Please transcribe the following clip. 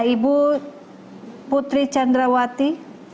ini ibu putri candrawati